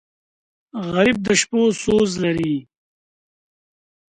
غریب د شپو سوز لري